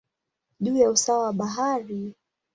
juu ya usawa wa bahari.